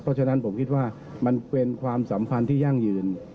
เพราะฉะนั้นผมคิดว่ามันเป็นความสัมพันธ์ที่ยั่งยืน